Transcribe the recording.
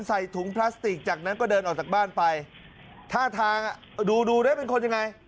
ใส่ถุงพลาสติกจากนั้นก็เดินออกจากบ้านไปท่าทางอ่ะดูดูได้เป็นคนยังไง